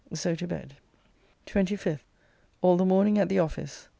So to bed. 25th. All the morning at the office.